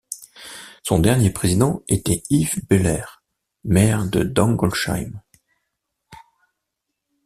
Son dernier président était Yves Beller, maire de Dangolsheim.